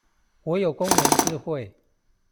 我有工人智慧